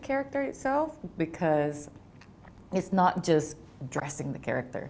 karena itu bukan hanya menciptakan karakter